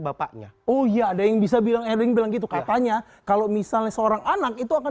bapaknya oh iya ada yang bisa bilang ering bilang gitu katanya kalau misalnya seorang anak itu akan